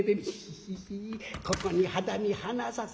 「ヒヒヒここに肌身離さず」。